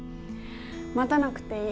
待たなくていい。